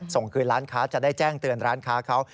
ส่งคืนร้านค้าจะได้แจ้งเตือนร้านค้าเขา